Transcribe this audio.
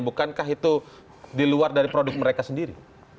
bukankah itu di luar dari produk mereka sendiri